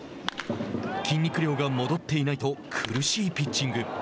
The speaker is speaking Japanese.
筋肉量が戻っていないと苦しいピッチング。